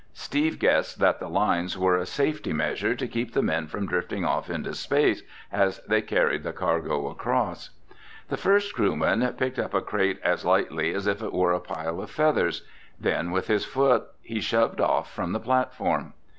Steve guessed that the lines were a safety measure to keep the men from drifting off into space as they carried the cargo across. The first crewman picked up a crate as lightly as if it were a pile of feathers. Then with his foot he shoved off from the platform.